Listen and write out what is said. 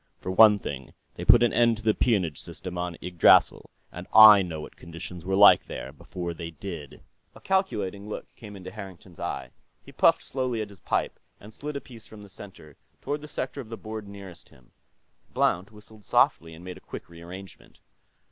For one thing, they put an end to the peonage system on Yggdrasill, and I know what conditions were like, there, before they did." A calculating look came into Harrington's eye. He puffed slowly at his pipe and slid a piece from the center toward the sector of the board nearest him. Blount whistled softly and made a quick re arrangement.